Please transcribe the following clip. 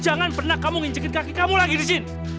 jangan pernah kamu nginjekin kaki kamu lagi di sini